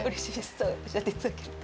そうおっしゃっていただけると。